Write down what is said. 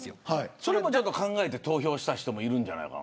それを考えて投票した人もいるんじゃないかな。